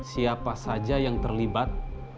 siapa saja yang terlibat